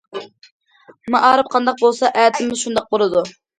مائارىپ قانداق بولسا، ئەتىمىز شۇنداق بولىدۇ.